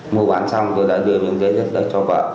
mua bán xong tôi đã đưa miếng đất cho vợ